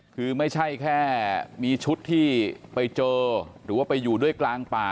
คือไม่ใช่แค่มีชุดที่ไปเจอหรือว่าไปอยู่ด้วยกลางป่า